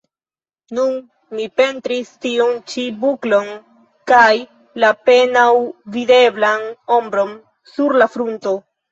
Nun mi pentris tiun ĉi buklon kaj la apenaŭ videblan ombron sur la frunto.